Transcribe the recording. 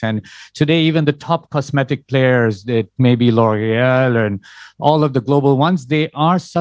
dan rekreasi dengan covid sembilan belas seperti yang kita tahu